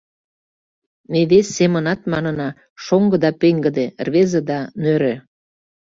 — Ме вес семынат манына: «Шоҥго — да пеҥгыде, рвезе — да нӧрӧ».